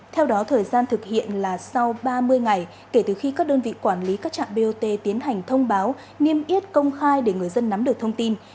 theo đó thời gian thực hiện là sau ba mươi ngày kể từ khi các đơn vị quản lý các trạm bot tiến hành thông báo niêm yết công khai để người dân nắm được thông tin